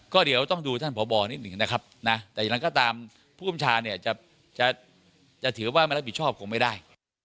ก็เดี๋ยวต้องดูท่านพบนิดหนึ่งนะครับนะแต่อย่างนั้นก็ตามผู้กำชาเนี่ยจะถือว่าไม่รับผิดชอบคงไม่ได้